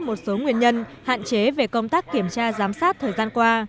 một số nguyên nhân hạn chế về công tác kiểm tra giám sát thời gian qua